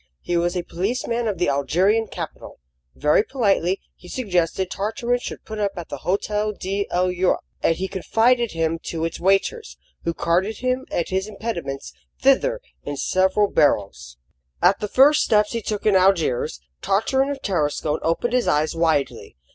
He was a policeman of the Algerian capital. Very politely, he suggested Tartarin should put up at the Hotel de l'Europe, and he confided him to its waiters, who carted him and his impedimenta thither in several barrows. At the first steps he took in Algiers, Tartarin of Tarascon opened his eyes widely.